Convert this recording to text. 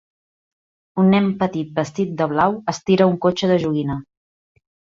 Un nen petit vestit de blau estira un cotxe de joguina.